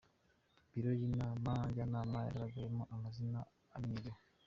Biro y’Inama Njyanama yagaragayemo amazina amenyerewe.